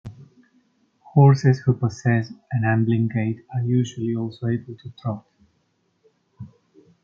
Horses who possess an ambling gait are usually also able to trot.